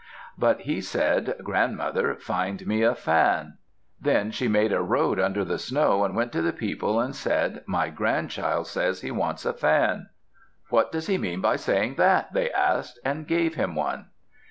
But he said, "Grandmother, find me a fan." Then she made a road under the snow, and went to people and said, "My grandchild says he wants a fan." "What does he mean by saying that?" they asked and gave him one.